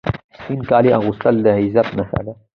سپین کالي اغوستل د عزت نښه ده.